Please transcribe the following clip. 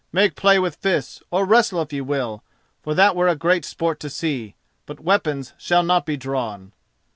"Make play with fists, or wrestle if ye will, for that were great sport to see; but weapons shall not be drawn."